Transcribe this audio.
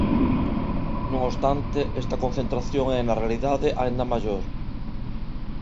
Non obstante, esta concentración é, na realidade, aínda maior.